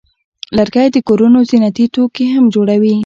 لرګی د کورونو زینتي توکي هم جوړوي.